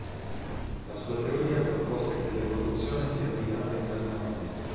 La sua teoria propose che l'evoluzione sia guidata internamente.